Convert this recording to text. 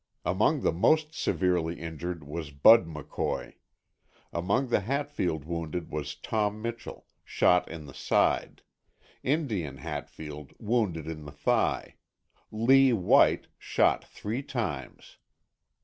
Among the most severely injured was Bud McCoy. Among the Hatfield wounded was Tom Mitchell, shot in the side; "Indian" Hatfield, wounded in the thigh; Lee White, shot three times.